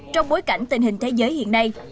trong bối cảnh tình hình thế giới hiện nay